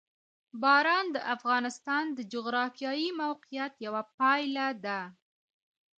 باران د افغانستان د جغرافیایي موقیعت یوه پایله ده.